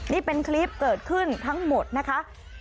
นี่เป็นคลิปเกิดขึ้นทั้งหมดนะคะ